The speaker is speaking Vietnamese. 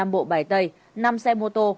năm bộ bài tay năm xe mô tô